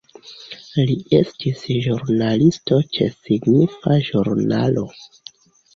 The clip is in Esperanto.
Li estis ĵurnalisto ĉe signifa ĵurnalo.